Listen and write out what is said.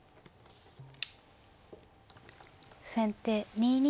先手２二歩。